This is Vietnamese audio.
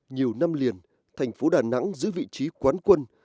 nhiều năm liền thành phố đà nẵng giữ vị trí quán quân